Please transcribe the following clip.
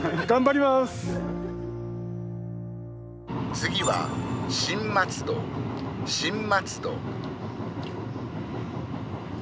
「次は新松戸新松戸」。